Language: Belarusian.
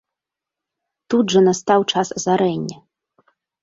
Тут жа настаў час азарэння.